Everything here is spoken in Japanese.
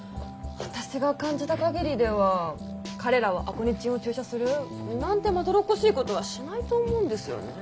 私が感じたかぎりでは彼らはアコニチンを注射するなんてまどろっこしいことはしないと思うんですよね。